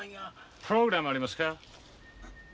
プログラムありますか？